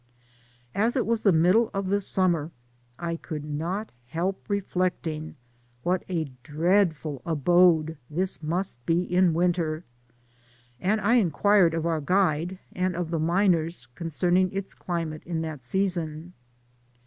As it Was in the middle of the summ^r^ I coutd tiot help reflecting what a di'eadful abode this must be in winter^ and I inquired of our guide and oi the miners concerning its climate in that season.